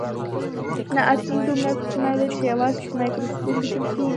نه اتوم دومره کوچنی دی چې یوازې په مایکروسکوپ لیدل کیږي